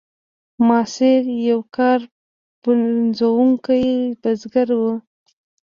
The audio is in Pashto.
ماسیر یو کار پنځوونکی بزګر و.